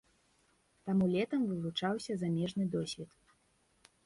Таму летам вывучаўся замежны досвед.